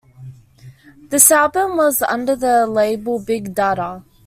This album was under the label Big Dada.